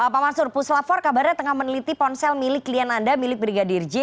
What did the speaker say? pak mansur puslap empat kabarnya tengah meneliti ponsel milik klien anda milik brigadir j